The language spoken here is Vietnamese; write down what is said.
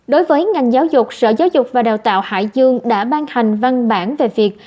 đối với ngành giáo dục sở giáo dục và đào tạo hải dương đã ban hành văn bản về việc